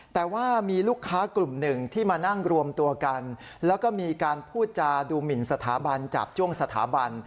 แต่ว่ามีลูกค้ากลุ่มหนึ่งที่มานั่งรวมตัวกันแล้วก็มีการพูดจาดูหมินสถาบันจาบจ้วงสถาบัน